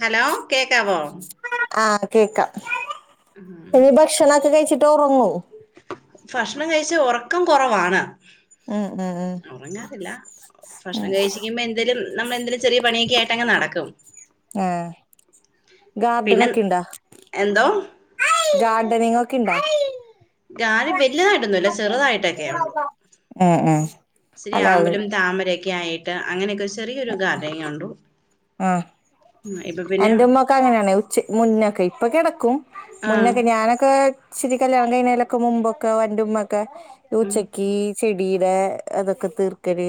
Hello കേക്കാവോ ആഹ് കേക്കാം ഇനി ഭക്ഷണംക്കെ കഴിച്ചിട്ട് ഉറങ്ങൂ ഭക്ഷണം കഴിച്ച ഉറക്കം കുറവാണ് ഉം ഉം ഉം ഉറങ്ങാറില്ല ഉം ഭക്ഷണം കഴശിക്കുമ്പോ എന്തേലും നമ്മള എന്തേലും ചെറിയ പണിയൊക്കൊയിട്ട് അങ് നടക്കും ആഹ പിന്നെ ഗാർഡനൊക്കെ ണ്ടോ എന്തോ ഗാർഡനിങ് ഒക്കെ ഇണ്ടോ ഗാർഡൻ വലിയതട്ടൊന്നും ഇല്ല ചെറുതായിട്ടൊക്കെയ ഉള്ളൂ ഉം ഉം ചിരി അല്ല ആമ്പലും താമരൊക്കെ ആയിട്ട് അങ്ങനെയൊക്കെ ചെറിയൊരു ഗാർഡനിങ് ഉണ്ടു ആഹ ഉം, ഇപ്പൊ പിന്നെ എന്റെറ ഉമ്മ ഒക്കെ അങ്ങനെയാണ ഉച്ച മുന്നക്കെ ഇപ്പൊ കിടക്കും ആഹ് മുന്നൊക്കെ ഞാനൊക്കെ ചിരി കല്യാണം കഴനേലൊക്കെ മുമ്പൊക്കെ എന്റുമ്മ ഒക്കെ ഉം ഊച്ചക്കീ ചെടിയുടെ അതൊക്കെ തീർക്കല്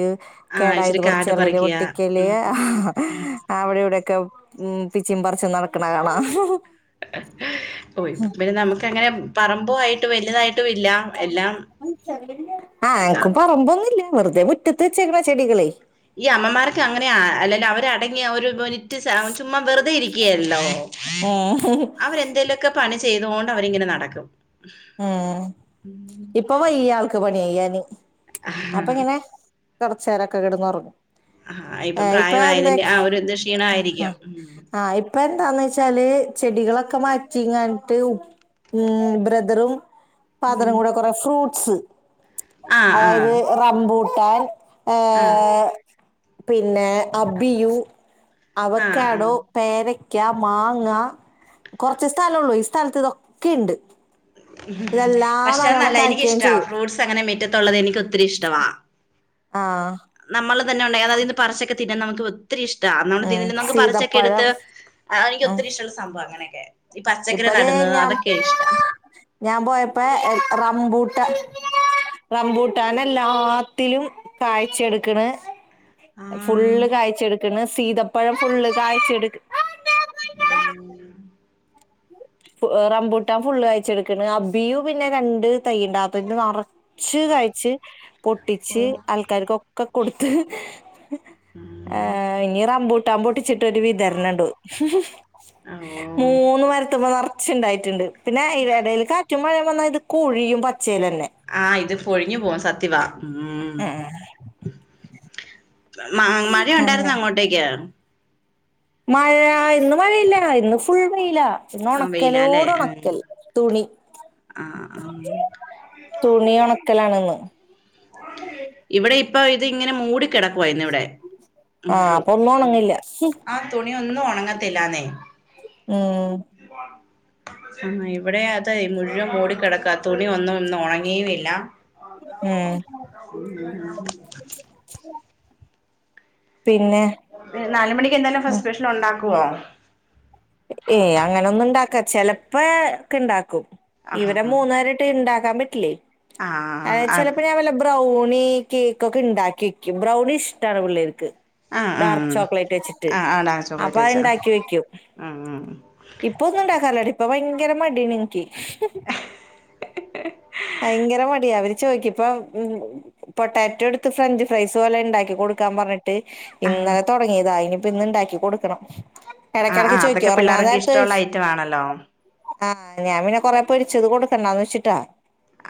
ആഹ് കേടായത് ഇച്ചിരി പറച്ച് കാട് കളയല് പറിക്കുക ഒട്ടിക്കല ഉം അവിടെ ഇവിടെയൊക്കെ ഉം പിച്ചി പറർച്ചും നടക്കണ അളാം ഓ പിന്നെ നമുക്ക് എങ്ങനെയ എല്ലാം ആ ഇതാ എനിക്ക് പറമ്പൊന്നുമില്ല വെറുതെ മുറ്റ റ്റത്ത് വെച്ചെക്ക്ണ ചെടികളേ ഈ അമ്മമാരോ അങ്ങനെ അല്ലല്ലോ അവരെ അടങ്ങിയ ഒരു മിനറ്റ് സ ചുമ്മാ വെറുതെ ഇരിക്കുകയല്ലോ ഉം അവരെന്തേലും ക്കെ പണി ചെയ്തോണ്ട് അവരിങ്ങനെ നടക്കും ഉം ഉം. ഇപ്പ വയ്യാ ആൾക്ക് പണി ചെയ്യാന് ആ അപ്പ ഇങ്ങനെ കൊർച്ചേരൊക്കെ കെടന്ന് ഒറങ്ങും ആഹ് ഇപ്പം പ്രായമായതിന്റെ ആ ഒരുന്തേ ക്ഷീണായിരിക്കാം ഉം ആഹ് ഇപ്പ എന്താന്ന് വെച്ചാല് ചെടികളൊക്കെ മാറ്റിങ്ങാട്ട് ഉപ്പ് ബ്രെത ദറും ഉം ഫാദരും കൂടെ കൊറേ ഫ്രൂട്ട്സ് ആ ആ അതായത് ഏ റംമ്പുട്ടാൻ ഏ ആ പിന്നെ അബിയു ആ ആ അവക്കാടോ പേരയ്ക്ക മാങ്ങ കൊർച്ച് സ്ഥലള്ളൂ ഈ സ്ഥലത്ത് ഇതൊക്കെണ്ട് ഉം പക്ഷേ അഹ് നല്ലാ കായ്ക്കുകയും എനിക്കിഷ്ടാ ചെയ്യും ഫ്രൂട്ട്സ് അങ്ങനെ മിറ്റത്തുള്ളത് എനിക്ക് ഒ ആഹ് നമ്മള് തന്നെണ്ടായ അതതീന്ന് പർ ച്ചൊക്കെത്തിന്ന്ന്ന് നമുക്ക് ഒത്തിരി ഇഷ്ട നമ്മുള് ഉം തിമന്നൊക്കെ പറച്ചൊക്കെ എടുത്ത് സീതപ്പഴം എനിക്ക് ഉം ഒത്തിരി ഇഷ്ടള്ള സംഭവാ അങ്ങനെയൊക്കെ ഈ പച്ചക്കറി ഇപ്പതേ നടുന്നത് ഞാൻ അതൊക്കെ ഇഷ്ടാ ഞാൻ പോയപ്പേ ഏ റംബൂട്ടാ റംമ്പൂട്ടാന് എല്ലാത്തിലും കാഴ്ചെടുക്ക്ണ് ആ ഫുള്ള് കായ്ചെടുക്ക്ണ് സീതപ്പഴം ഫുള്ള് കാഴ്ചെടുക് ഉം റംബൂട്ടാൻ ഫുള്ള് കായ് ച്ചെടുക്കണ് അബിയു പിന്നെ രണ്ട് തൈയ്യുണ്ട് അതിന്റെ നറ ച്ച് കായ്ച്ച് പൊട്ടിച്ച് ഉം ആൾക്കാർക്കൊക്കെ കൊടുത്ത് ഏ ഇഞ്ഞി റമ്പൂ ട്ടാൻ പൊട്ടിച്ചിട്ടൊരു വിതരണണ്ട് ഓ മൂന്ന് മരത്ത്മ്മെ നർ ച്ച്ണ്ടായിട്ടുണ്ട് പിന്നെ ഈ എടയിൽ കാറ്റും മഴയും വന്നാൽ ഇത് കൊഴിയും പച്ചേലന്നെ ആഹ് ഇത് പൊഴിഞ്ഞു പോവും സത്യവാ ഉം മാ മഴയുണ്ടായിരുന്നോ അങ്ങനെ അങ്ങോട്ടേക്ക് മഴ ഇന്ന് മഴയില്ല ഇന്ന് ഫുള്ള് വെയിലാ ച്ച്ന്ന് ആ വെയിലാല്ലേ ഒണക്കലോട് ഉം ഒണക്കൽ തുണി ആ ആ തുണി ഒണക്കലാണെന്ന് ഇവിടെ ഇപ്പൊ ഇത് ഇങ്ങനെ മൂടി കിടക്കുവാ ഇന്നിവിടെ ആഹ് അപ്പൊ ഒന്നും ഒണങ്ങില്ല തുണിയൊന്നും ഒണങ്ങത്തില്ലാന്നേ ഉം ഉം ഇവിടെ അതെയ് മുഴുവൻ മോടി കെടക്കാ അത്‌ തുണി ഒന്നും ഒന്നും ഒണങ്ങീയതില്ല ഉം ഉം ഉം പിന്നെ നാലു മണിക്ക് എന്തേലും ആ ഫസ്റ്റ് സ്പെഷ്യൽ ഉണ്ടാക്കുവോ ഏയ് അങ്ങനെ ഒന്നും ഇണ്ടാക്ക ചെ ലപ്പോ ഒക്കെ ഇണ്ടാക്കും ആ ഇവിടെ മൂന്നേരെ ട്ട് ഇണ്ടാക്കാൻ പറ്റില്ലേ ആ ആ ഏയ് ചെലപ്പോ ഞാൻ വല്ല ബ്ര ബ്രൗണി കേക്കൊക്കെണ്ടാക്കി വക്കും ബ്രൗണി ഇഷ്ടാണ് പിള്ളേർക്ക് ആ ആ ആ ഡാർക്ക് ആ ചോക്ലേറ്റ് വെച്ചിട്ട് ആ ആ ഡാർക്ക് അപ്പൊ ചോക്ലേറ്റ് വെച്ച് അതുണ്ടാക്കി വെക്കും ഉം ഉം ഉം ഇപ്പൊ ഒന്നുണ്ടാക്കാറില്ല ഇപ്പൊ ഭയങ്കര മടിയാണ് ഇൻക്ക്. ഭയങ്കര മടിയ അവര് ചോയിക്കിപ്പം ഉം പൊട്ടാറ്റോ ഇട്ത്ത് ഫ്രഞ്ച് ഫ്രൈസ് പോലെ ഉണ്ടാക്കി കൊടുക്കാൻ പറഞ്ഞിട്ട്. ആഹ് ഇന്നലെ തൊട്ങ്ങീതാ ഇനിയിപ്പ ഇന്ന്ണ്ടാക്കി കൊടുക്കണം. എടെക്കെടെക്ക് ആഹ് അതൊക്കെ ചോയ്ക്കും പിള്ളേർക്ക് ഇഷ്ടമുള്ള ഒറങ്ങാനേര്ത്തോയ്ച്ച്. ഐറ്റം ആണല്ലോ ആഹ് ഞാൻ പിന്നെ കൊറേ പൊരിച്ചത് കൊടുക്കണ്ടാന്ന് വെച്ചിട്ടാ.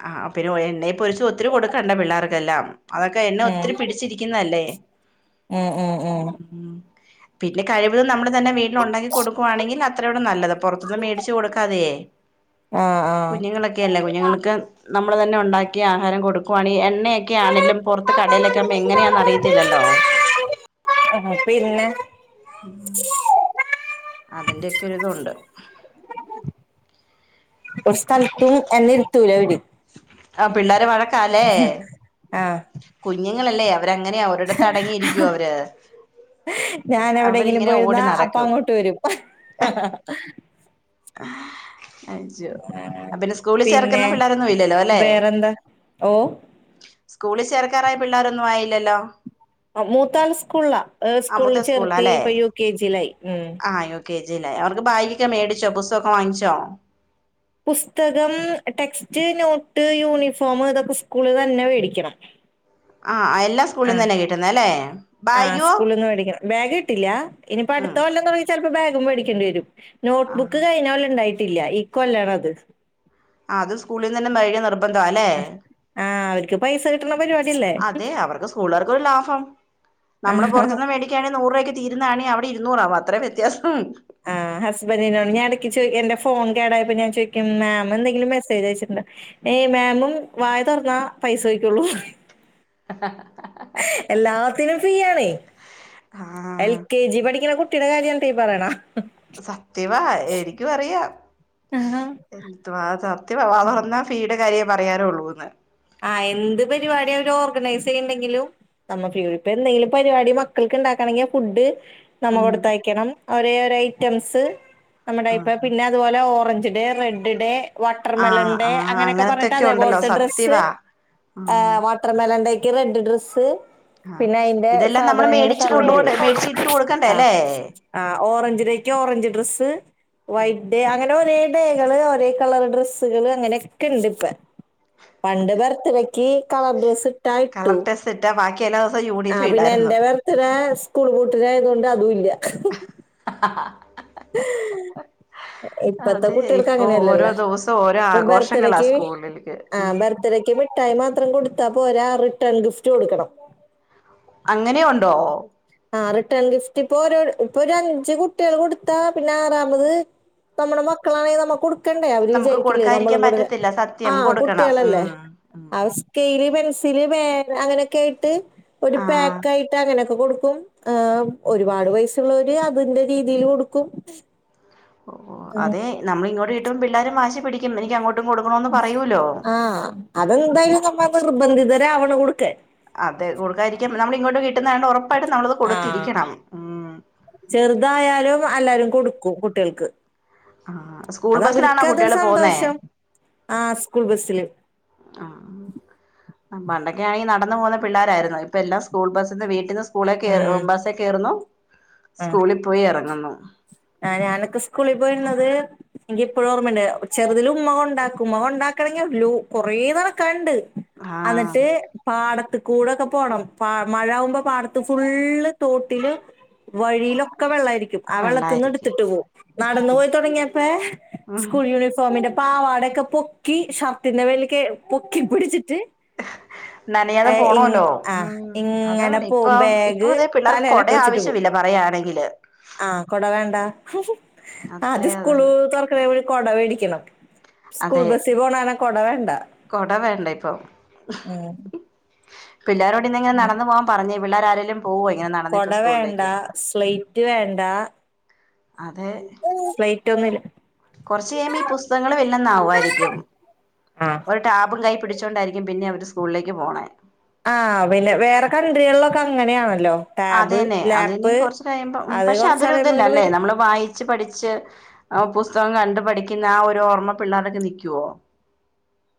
ആഹ് പിന്നെ എണ്ണെ പൊരിച്ച് ഒത്തിരി കൊടുക്കണ്ട പിള്ളേർക്കെല്ലാം. അതൊക്കെ എണ്ണ ഒത്തിരി ഉം പിടിച്ചിരിക്കുന്നല്ലേ. ഉം ഉം ഉം പിന്നെ കഴിവതും നമ്മൾ തന്നെ വീട്ടിൽ ഉണ്ടാക്കി കൊടുക്കുവാണെങ്കി അത്രയൂടെ നല്ലത് പൊറത്ത്ന്ന് മേടിച്ച് കൊടുക്കാതെയ്. ആഹ ആഹ്. ഒക്കെയല്ലേ കുഞ്ഞുങ്ങൾക്ക് നമ്മള് തന്നെ ഉണ്ടാക്കി ആഹാരം കൊടുക്കുവാണെ എണ്ണയൊ. ക്കെയാണെലും പൊർത്ത് കടേലൊക്ക ആവുമ്പ എങ്ങനെയാണെന്ന് അറിയത്തില്ലല്ലോ. ആഹാ പിന്നെ. [inaudible] അതിന്റൊക്കെ ഒരിതുണ്ട്. ഒരു സ്ഥൽത്ത് എന്നെരുത്തൂല ഇവര്. ആ പിള്ളോര് വഴക്കാല്ലേ ആഹ് കുഞ്ഞുങ്ങളല്ലേ അ. അവരങ്ങനെയാ ഒരിടത്തടങ്ങിയിരിക്കോ അവര്. ഞാനനെവിടെങ്കിലും അവരിങ്ങനെ പോയിരുന്ന ഓടി അപ്പ നടക്കും അങ്ങോട്ട് വരും. ആഹ്. അജോ അപിന്നെ സ്കൂളിൽ പിന്നെ ചേർക്കുന്ന പിള്ളോരൊന്നും ഇല്ലല്ലോ ല്ലേ? വേറെന്താ ഓ സ്കൂളി ചേർക്കാറായ പിള്ളോരൊന്നും ആയില്ലല്ലോ? അ മൂത്താൾ സ്കൂൾളാ ഏ ആ സ്കൂളി മൂത്ത സ്കൂളാ ചേർത്തി ഇപ്പ യു കെ ജിയിലായി ഉം. കേ ജിലായി അവർക്ക് ബാഗിയൊക്കെ മേടിച്ചോ ബുസ്തൊക്കെ വാങ്ങിച്ചോ? പുസ്തകം ടെക്സ്റ്റ്, നോട്ട്, യൂണിഫോം ഇതൊക്കെ സ്കൂളിലന്നെ വേടിക്കണം. ആഹ് എല്ലാ സ്കൂളിന്നന്നെ കിട്ടുന്നെല്ലേ. ആഹ സ്കൂളിന്ന് മേടിക്കണം ബാഗ് കിട്ടില്ല ഇനിപ്പ അടുത്ത ഉം കൊല്ലം തൊട്ങ്ങി ചെലപ്പോ ബാഗും മേടിക്കേണ്ടി വരും. ആ നോട്ട്ബുക്ക് കഴിഞ്ഞ കൊല്ലം ഉണ്ടായിട്ടില്ല ഇക്കൊല്ലാണത്. അത് സ്കൂളിന്നന്നെ മേയ്ക്യ നിർബണ്ഡ ല്ലേ. ആഹ് ആഹ് അവര്ക്ക് പൈസ കിട്ട്ണ പരിപാടില്ലേ. സ്കൂളേര്ക്കൊരു ലാഹം നമ്മള് ആഹ് പൊർത്ത്ന്ന് മേടി. ക്ക്യാനെ നൂറുര്വക്ക് തീരുന്നാണി അവിടെ ഇരുന്നൂറാവും അത്രേ വ്യത്യാസം. ആഹ് ഹസ്ബന്റിനോട് ഞാൻട്ക്ക് ചോയ്ക്ക എന്റെ ഫോൺ കേടായപ്പോ ഞാൻ ചോയ്. ക്ക് മേമെന്തെങ്കിലും മെസ്സേജ് അയച്ചിട്ടുണ്ട് ഏയ് മാമും വായ തൊർന്നാ പൈസോയ്ക്കുള്ളൂ. ആ ഹ ഹ. എല്ലാത്തിനും ഫ്രീയാണേ. എൽ ആ കെ ജി പഠിക്ക്ണ കുട്ടിയുടെ കാര്യാണ്ട്ട ഈ പറയണെ. സത്യവാ എനിക്കും അറിയ എന്തുവാ സത്യവാ വാതൊറന്നാ. ഫ്രീയിടെ കാര്യേ പറയാറുള്ളൂന്ന്. ആഹ് എന്ത് പരിപാടി അവര് ഓർഗനൈസെയ്യ്ണ്ടെങ്കിലും. നമ്മഫ് ഇപ്പൊന്തെങ്കിലും പര് വാടി മക്കൾക്ക്ണ്ടാക്കാണെങ്കി ഫുഡ്. നമ്മ ഉം കൊടുത്തയ്ക്കണം ഒരേരൈറ്റംസ്. നമ്മുടെ ഇപ്പ ആഹ് പിന്നെ അതുപോലെ orange day red day. Water ആഹ് മെലൻഡെ ആഹ് അങ്ങനൊക്കെ പറഞ്ഞിട്ട് അങ്ങനത്തൊക്കെ ഉണ്ടല്ലോ അതേപോൽത്തെ ഡ്രസ്സ്. സത്യവാ ആഹ് ഏഹ് വാട്ടർമെലൻ ഡേക്ക് റെഡ് ഡ്രസ്സ്. ആഹ് പിന്നെ അയ്ന്റെ ഇതെല്ലാം നമ്മള് സാധനങ്ങള് മേടിച്ച് സാമഗ്രികള് കൊണ്ടുപോണ്ടേ മേടിച്ച് ഇട്ട് കൊടുക്കണ്ടേ ആഹ്. അല്ലേ ആ ഓറഞ്ച് ഡേക്ക് ഓറഞ്ച് ഡ്രസ്സ്. വൈറ്റ്ഡേ അങ്ങനെ ഓരേ ഡേകള് ഒരേ കളർ ഡ്രസ്സുകള് അങ്ങനൊക്കെണ്ട് ഇപ്പെ. പണ്ട് ബർത്ത്ഡേക്ക് കളർ ഡ്രെസ്സ് ഇട്ട് കളർ ഡ്രെസ്സ്ട്ടാ ബാക്കി എല്ലാസവും യൂണിഫേ ഇടായിരുന്നു. ത്ത്‌ഡേ സ്കൂൾ പൂട്ടിലായതുകൊണ്ട് അതൂല്ലാ. ഹ ഹ ഹ. ഇപ്പത്തെ അതെ കുട്ടികൾക്ക് ഇപ്പൊ ഓരോ അങ്ങനെയല്ലല്ലാ ദിവസവും ഓരോ ഇപ്പ ആഘോഷങ്ങളാ ബർത്തഡേക്ക് സ്കൂളിലേക്ക് ആഹ് ഉം ബർത്തഡേക്ക് മിട് ട്ടായി മാത്രം കൊടുത്താപ്പോരാ റിട്ടേൺ ഗിഫ്റ്റ് കൊടുക്കണം. അങ്ങനെ ഒണ്ടോ? ആഹ് റിട്ടേൺ ഗിഫ്റ്റ് ഇപ്പൊ ഒര് ഇപ്പൊ ഒരു അഞ്ച് കുട്ട്യേള് കൊടുത്താ പിന്നെ ആറാമത് നമ്മടെ മക്കളാണെ നമ്മ കൊടു ക്കണ്ടേ അവര് നമുക്ക് വിചാരിക്കില്ലേ കൊടുക്കാതിരിക്കാൻ നമ്മളും കൂടെ പറ്റത്തില്ല സത്യം ആഹ് കൊടുക്കണം കുട്ടികളല്ലേ. ഉം ഉം ആഹ് സ്കെയില് പെൻസില് പേൻ അങ്ങനെയൊക്കെ ആയിട്ട് ഒരു ആഹ് പാക്ക് ആയിട്ട് അങ്ങനെയൊക്കെ കൊടു ക്കും ആഹ് ഒരുപാട് പൈസ്സള്ളവര് അതിന്റെ രീതീല് കൊടുക്കും. ഓഹ് അതെ നമ്മളിങ്ങോട്ട് കിട്ടുമ്പം പിള്ളാരും വാശി പിടിക്കും എനിക്ക് അങ്ങോട്ടും കൊടുക്കണോന്ന് പറയൂലോ? ആ അതെന്തായാലും നമ്മ നിർബന്ധിതരവണ് കൊടുക്കാൻ. അതെ കൊടുക്കായിരിക്കാൻ നമ്മള് ഇങ്ങോട്ട് കിട്ടുന്നതായോണ്ട് ഒറപ്പായിട്ട് നമ്മളത് ആ കൊടുത്തിരിക്കണം ഉം ചെറുതായാലും എല്ലാരും കൊടുക്കും കുട്ടികൾക്ക്. ആ സ്കൂൾ അത് ബസ്സിലാണോ അവരിക്കതൊരു കുട്ടികൾ പോന്നേ സന്തോഷം ആഹ് സ്കൂൾ ബസ്സില്. ആഹ് ആഹ് ആഹ് പണ്ടൊക്കെ ആണെങ്കി നടന്ന് പോകുന്ന പിള്ളാരായിരുന്നു ഇപ്പ എല്ലാം സ്കൂൾ ബസ്സിന്ന് വീട്ടിന്ന് സ് സ്കൂളെ കേറ് ഉം ഏഹ് ബസ്സേ കേറുന്നു സ്കൂളിൽ പോയി എറങ്ങുന്നു. ആഹ് ഞാനൊക്കെ സ്കൂളിൽ പോയിരുന്നത് എനിക്ക് ഇപ്പഴും ഓർമ്മയ്ണ്ട് ചെറുതിൽ ഉമ്മ കൊണ്ടാക്കും ഉമ്മ കൊണ്ടാക്കണെങ്കില് നല്ലോ കൊറേ നടക്കാണ്ട്. ആഹ് അന്നിട്ട് പാടത്ത് കൂടൊക്കെ പോണം പ മഴ ആവുമ്പം പാടത്ത് ഫുള്ള് തോട്ടില് വഴിയിലൊക്കെ വെള്ളായിരിക്കും. ആ വെള്ളത്ത്ന്ന് വെള്ളായിരിക്കും എടുത്തിട്ട് പോവും നടന്നു പോയി തൊടങ്ങിയപ്പെ ഉം സ്കൂൾ യൂണിഫോമിന്റെ പാവാടെക്കെ പൊക്കി ഷർട്ടിന്റെ മേലെക്ക് പൊക്കി പിടിച്ചിട്ട് നനയാതെ ഏ ഇ പോണോല്ലോ ആ ഉം അതാ ഇങ്ങനെ പറഞ്ഞെ ഇപ്പ പോവും ബാഗ് ഇപ്പതേ പിള്ളേർക്ക് കൊട തലയിലൊക്കെ വെച്ചിട്ട് പോവും ആവശ്യമില്ല. പറയാണെങ്കില് ആഹ് കൊട വേണ്ടാ ആദ്യം അത്രയും സ്കൂള് അതാണ് തൊറക്കണേന് മുന്നേ കൊട മേടിക്കണം. സ്കൂൾ അതെ ബസ്സി പോണ കാരണം കൊട വേണ്ടാ. കൊട വേണ്ട ഇപ്പം പിള്ളേരോട് ഇങ്ങനെ നടന്ന് പോവു പറഞ്ഞേ പിള്ളേരാരേലും കൊട വേണ്ടാ സ്ലൈറ്റ് വേണ്ടാ. അതെ റ്റോന്നില്ല കൊറച്ച് കഴിയുമ്പം ഈ പുസ്തകങ്ങള് വെല്ലെന്ന് ആവുവായിരിക്കും ആഹ് ഒ ടാബും കൈ പിടിച്ചോണ്ടായിരിക്കും പിന്നെ അവര് സ്കൂളിലേക്ക് പോണെ. ആഹ് പിന്നെ വേറെ കൺട്രികളിലൊക്കെ അങ്ങനെയാണല്ലോ? ടാബ് അതെന്നെ അതെനി ലാപ്പ് കൊറച്ച് കഴിയുമ്പം ഉം അത് പക്ഷെ അതൊരു കൊറച്ചറിയുമ്പോ ഇങ്ങട് ഇതല്ലാല്ലേ വരും നമ്മള് വായി ച്ച് പഠിച്ച് ആ പുസ്തകം കണ്ട് പഠിക്കുന്ന ആ ഒരു ഓർമ്മ പിള്ളേരട്ക്കെ നിക്കുവോ?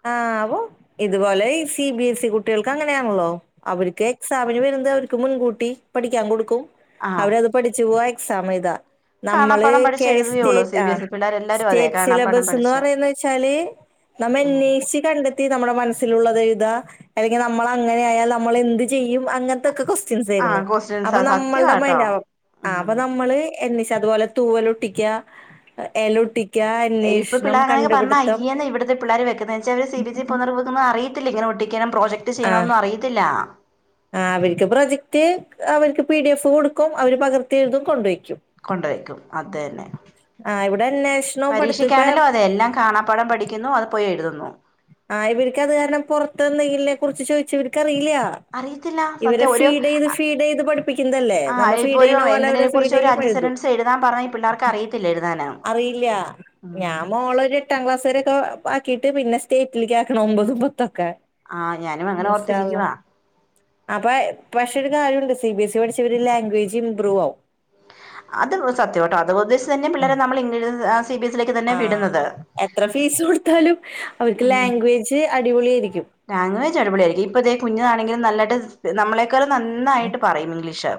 ആ വൊ ഇതുപോലെഈ സി ബി എസ് ഇ കുട്ടികൾക്ക് അങ്ങനെയാണല്ലോ? അവർക്ക് എക്സാമിന് വരുന്നത് അവർക്ക് മുൻകൂട്ടി പഠിക്കാൻ കൊടുക്കും. ആഹ് അവരത് അത് പഠിച്ചു പോവാ എക്സാം എയ്താ. നമ്മള് കാണാപ്പാഠം ക പഠിച്ച് എഴുതുകയുള്ളൂ സ്റ്റേറ്റ് സി ആ ബി എസ് ഇ പിള്ളേർ എല്ലാരും അതെ സ്റ്റേറ്റ് കാണാപ്പാഠം സിലബസ് ന്ന് പഠിച്ച് പറയുന്നത് ച്ചാല്. നമ്മാം ഉം. ന്ഷി കണ്ടെത്തി നമ്മുടെ മനസ്സിലുള്ളത് എയ്താ അല്ലെങ്കിൽ നമ്മൾ അങ്ങനെ ആയാ നമ്മൾ എന്ത് ചെയ്യും അങ്ങനത്തെക്കെ ക്യു ആരുന്നു ആഹ് അപ്പൊ ക്വസ്റ്റ്യൻസാ നമ്മളുടെ സത്യവാട്ടോ മൈൻഡ് ആ അപ്പൊ ഉം നമ്മള് എന്ന അതുപോലെ തൂവല് ഒട്ടിക്ക എല ഒട്ടിക ഇപ്പ പിള്ള പറഞ്ഞ അയ്യന്ന ഇവിടത്തെ പിളേ വെക്കു പക്ഷേ അവർ സി ബി സി പുനർവ്ക്കന അറിയില്ലങ്ങനെ ഒട്ടിക്കണം പ്രോജക്ട് ആഹ് ചെയ്യണമന്നും അറയിത്തില്ല. ആ അവർക്ക് പ്രൊജക്റ്റ് അവർക്ക് പി ഡി എഫ് കൊടുക്കും അവര് പകർത്തിഴുതും കൊണ്ട് വയ്ക്കും. കൊണ്ട് വയ്ക്കും അതന്നെ ആ ഇവിടെ അന്വേഷണവും പഠിത്തം ഇപ്പ പരീക്ഷിക്കാണല്ലോ അതെ എല്ലാം കാണാപ്പാടം പഠി കുന്നു ആത് പോയി എഴുതുന്നു. ആഹ് ഇവർക്ക് അത് കാരണം പൊറത്ത് എന്തെങ്കില്നെ കുറിച്ച് ചോദിച്ച ഇവര്ക്കറിയില്ല. അറിയത്തില്ല ഇവരെ സത്യം ഒരു ഫീഡ് ചെയ്ത് ഫീഡ് ചെയ്ത് പഠിപ്പിക്കുന്നല്ലേ ആ നമ്മ് ഇപ്പൊ ഫീഡ് ഒരു ചെയ്യുന്ന പോലെ എന്തിനെ അവരെ ഫീഡ് കുറിച്ച് ഒരു ചെയ്യും അഞ്ച് എഴുതും. സെന്റൻസ് എഴുതാൻ പറഞ്ഞാ ഈ പിള്ളെർക്ക് അറിയത്തില്ല എഴുതാന്. അറിയില്ല. ഞാൻ മോള ഒരു എട്ടാം ക്ലാസ് വരെക്കെ ആക്കിട്ട് പിന്നെ സ്റ്റേറ്റിൽക്ക് ആക്കണം ഒമ്പതും പത്തൊക്കെ. ആഹ് ഞാനും അങ്ങനെ ഇൻശാ അള്ളാ ഓർത്തിരിക്കുവാ അപ്പ പക്ഷെ ഒരു കാര്യണ്ട് സി ബി എസ് ഇ പഠിച്ചവര് ലാംഗ്വേജ് ഇമ്പ്രൂവ് ആവും. അത് സത്യംട്ടോ അത് പതിസ് തന്നെ ഉം. പിള്ളരെ നമ്മൾ ഇംഗ് സി ബി എസിലേക്ക് തന്നെ ആഹ് വിടുന്നത്. എത്ര ഫീസ് കൊടുത്താലും അവർക്ക് ഉം ലാംഗ്വേജ് അടിപൊളി ആയിരിക്കും. ലാംഗ്വേജ് അടിപൊളിയായിരിക്കും ഇപ്പം ഇതേ കുഞ്ണങ്കിലും നല്ലായിട്ട് നമ്മളെക്കാളും ഉം ന്നായിട്ട് പറയും ഇംഗ്ലീഷ്.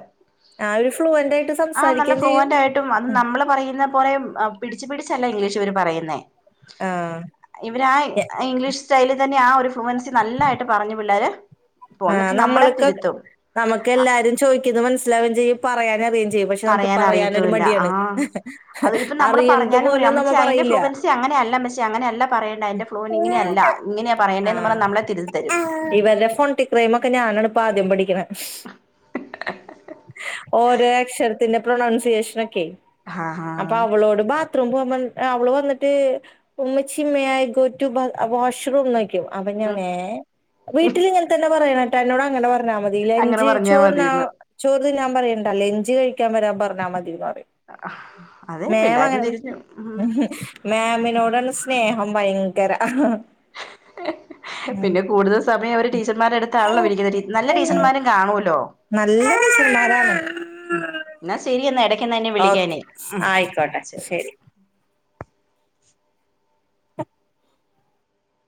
ആഹ് ഒരു ഫ്ലൂ എന്റെറായിട്ട്. ആഹ് നല്ല ഫ്ലുവന്റ് ആയിട്ടും. അത് നമ്മള് പറയുന്ന പോലെ പിടിച്ച് പിടിച്ചല്ല ഇംഗ്ലീഷ് അവർ പറയുന്നേ. ആഹ് ഇവര് ആഹ് എ ഇംഗ്ലീഷ് സ്റ്റൈല്. അഹ് തന്നെ ആഹ് ഒരു ഫ്രൂവൻസി നല്ലായിട്ട് പറഞ്ഞു പിള്ളേര് പൊണ് എന്നിട്ട് ആഹ് നമ്മളെ നമ്മൾക്കൊക്കെ തിരുത്തും. നമുക്ക് എല്ലാരും ചോയിക്കുന്നെ മനസിലാവുകയും ചെയ്യും പറയാനറിം യചെ പക്ഷെ നമുക്ക് പറയാൻ പറയാനരു അറിയത്തുമില്ല ആ മടിയാണ് അത് അറിയണത് പോലും നമ്മള് പറയില്ല. അങ്ങനെയ അല്ല മെച്ചിയെ അങ്ങനെയല്ല പറയണ്ട അന്റെ ഫ്ലോന് ഇങ്ങനെയല്ല ഇങ്ങനെയാ പറയണ്ടേന്ന് നമ്മളെ തിരുത്തിതരും. ഇവര്ടെ ഫോൺ ടിക് ക്രൈം ഒക്കെ ഞാനാണ് ഇപ്പ ആദ്യം പഠിക്കണാ ഓരോ അക്ഷരത്തിന്റെ പ്രൊണൗൺസിയേഷനൊക്കെ ആ ആ അപ്പൊ അവളോട് ബാ ത്റൂം അവള് വന്നിട്ട് ഉമ്മച്ചി മ്മേ I go to bath washroom നോക്കെ അവന് ഉം ഏഹ് വീട്ടിൽ ങ്ങനതന്നെ പറയണട്ടാ എന്നോട് അങ്ങനെ പറഞ്ഞാ മതി അങ്ങനെ ലൻഞ്ച് പറഞ്ഞാ ചോറിന മതിന്ന് ചോറ് തിന്നാൻ പറയണ്ടല്ലേ എഞ്ചച് കഴിക്കാൻ വരാൻ പറഞ്ഞാ മതിന്ന് പറയും. അതെ മാം പിള്ളാരും അങ്ങനെ തിരിഞ്ഞു മം മാമിനോടാണ് സ്നേഹം ഭയങ്കര. ഉം പിന്നെ കൂടുതൽ സമയം അവര് ടീച്ചർമാരെടുത്ത്. താ വിരിക്കണ് നല്ല ഉം ടീച്ചർമാരും കാണുല്ലോ. [unintelligible] എന്നാ ശരിയന്നാ എടക്ക്ന്നാ ഓക്കെ വിളിക്കാനി മം ശരി